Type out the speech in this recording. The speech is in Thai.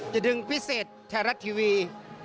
จะดึงพิเศษไทยรัฐทีวี